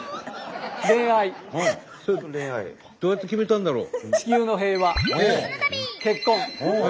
どうやって決めたんだろう？